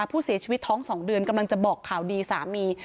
ผู้เสียชีวิตท้อง๒เดือนกำลังจะบอกข่าวดีสามี